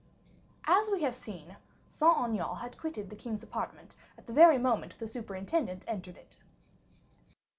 As we have seen, Saint Aignan had quitted the king's apartment at the very moment the superintendent entered it.